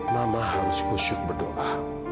mama harus kusyuk berdoa